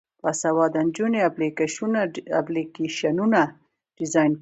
باسواده نجونې اپلیکیشنونه ډیزاین کوي.